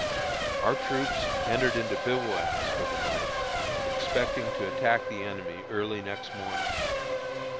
Our troops entered into bivouacs for the night, expecting to attack the enemy early next morning.